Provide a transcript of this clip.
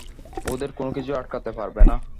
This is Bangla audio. ওদের কোনোকিছুই আটকাতে পারবে না।